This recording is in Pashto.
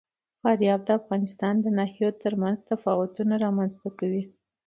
فاریاب د افغانستان د ناحیو ترمنځ تفاوتونه رامنځ ته کوي.